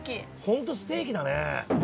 ホントステーキだね。